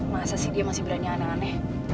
masa sih dia masih berani aneh aneh